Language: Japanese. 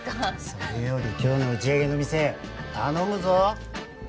それより今日の打ち上げの店頼むぞ。